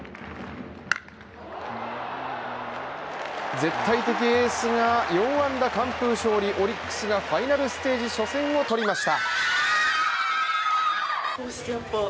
絶対的エースが、４安打完封勝利、オリックスがファイナルステージ初戦を取りました。